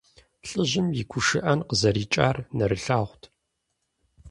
ЛӀыжьым и гушыӀэн къызэрикӀар нэрылъагъут.